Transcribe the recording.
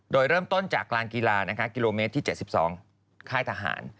โดยเริ่มต้นจากลานกีฬากิโลเมตรที่๗๒ค่ายทหาร